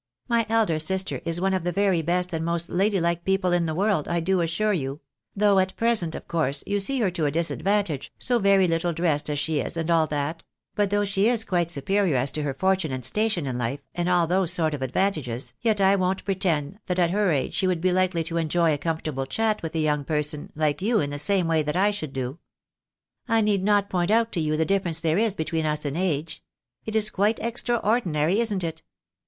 My elder sister is one of the very best and most ladylike people in the world, I do assure you ; though at present, of course, you see her to a disadvantage, so very Httle dressed as she is, and all that ; but though she is quite superior as to her fortune and station in hfe, and all those sort of advantages, yet I won't pretend that at her age «lie would be likely to enjoy a FRIENDLY CRITICISMS. 73 comfortable chat with a yoimg person, like you in the same way that I should do. I need not point out to you the diiference there is between us in age ; it is quite extraordinary, isn't it